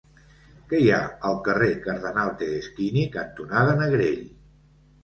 Què hi ha al carrer Cardenal Tedeschini cantonada Negrell?